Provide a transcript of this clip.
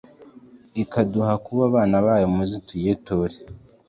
ikaduha kuba abana bayo, muze tuyiture